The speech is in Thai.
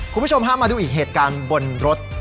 คุณผู้ชมพามาดูอีกเหตุการณ์บนรถ